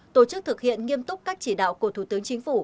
tổ chức thực hiện nghiêm túc các chỉ đạo của thủ tướng chính phủ